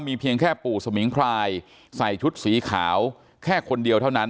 เพียงแค่ปู่สมิงพรายใส่ชุดสีขาวแค่คนเดียวเท่านั้น